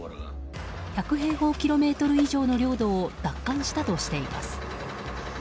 １００平方キロメートル以上の領土を奪還したとしています。